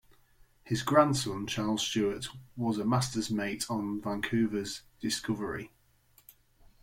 His grandson Charles Stuart was a master's mate on Vancouver's "Discovery".